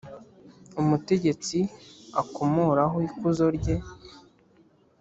umutegetsi akomoraho ikuzo rye